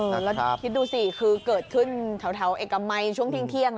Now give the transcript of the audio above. แล้วคิดดูสิคือเกิดขึ้นแถวเอกมัยช่วงเที่ยง